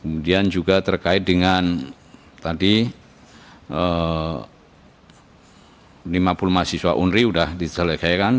kemudian juga terkait dengan tadi lima puluh mahasiswa unri sudah diselesaikan